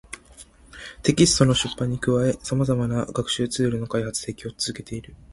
テキストの出版に加え、様々な学習ツールの開発・提供を続けている